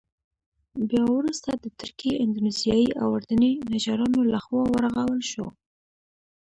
بیا وروسته د تركي، اندونيزيايي او اردني نجارانو له خوا ورغول شو.